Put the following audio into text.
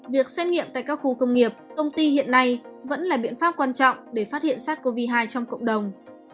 việc xét nghiệm tại các khu công nghiệp công ty hiện nay vẫn là biện pháp quan trọng để phát hiện sars cov hai trong cộng đồng